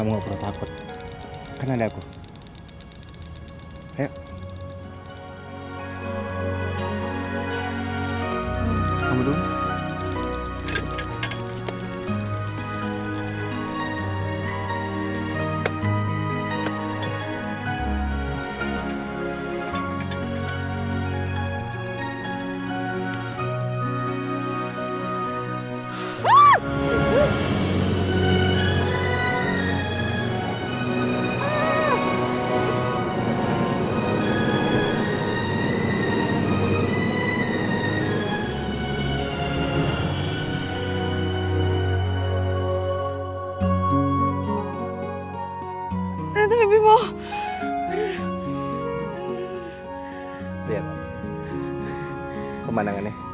gila ini apa cateringnya